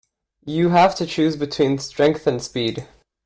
You have to choose between strength and speed.